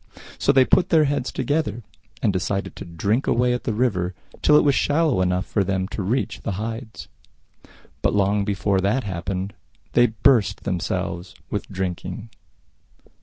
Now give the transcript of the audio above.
So they put their heads together, and decided to drink away at the river till it was shallow enough for them to reach the Hides. But long before that happened they burst themselves with drinking.